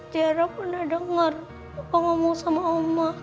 tiara pernah dengar kok ngomong sama oma